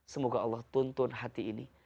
semoga allah tuntun hati ini